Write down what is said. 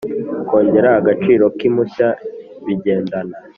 Kongera agaciro k impushya bigendana